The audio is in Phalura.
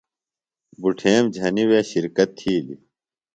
بٹھیم جھنیۡ وے شِرکت تِھیلیۡ۔